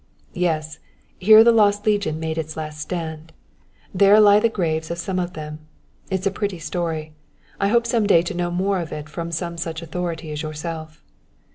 "Yes, here the lost legion made its last stand. There lie the graves of some of them. It's a pretty story; I hope some day to know more of it from some such authority as yourself."